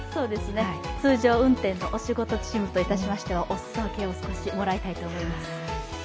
通常運転のお仕事チームとしましては、おすそ分けを少しもらいたいと思います。